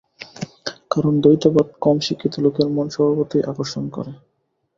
কারণ দ্বৈতবাদ কম-শিক্ষিত লোকের মন স্বভাবতই আকর্ষণ করে।